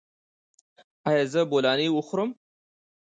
ایا زه بولاني وخورم؟